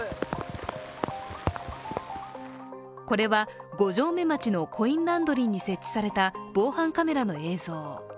これは五城目町のコインランドリーに設置された防犯カメラの映像。